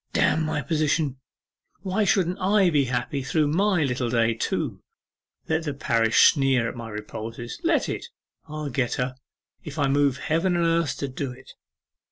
'Damn my position! Why shouldn't I be happy through my little day too? Let the parish sneer at my repulses, let it. I'll get her, if I move heaven and earth to do it!